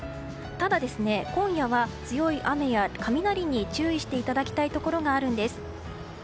ただ今夜は、強い雨や雷に注意していただきたいところがあるんです。